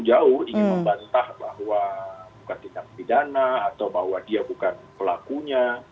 jauh ingin membantah bahwa bukan tindak pidana atau bahwa dia bukan pelakunya